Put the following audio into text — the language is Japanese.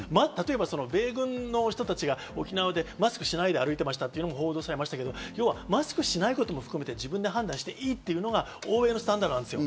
例えば米軍の人たちが沖縄でマスクしないで歩いてましたって報道されましたけど、マスクしないことも含めて自分で判断していいというのが欧米のスタンダード。